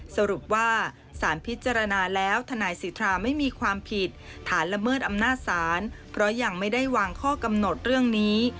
สรุปว่าสารพิจารณาแล้วทนายสิทธาไม่มีความผิดฐานละเมิดอำนาจศาลเพราะยังไม่ได้วางข้อกำหนดเรื่องนี้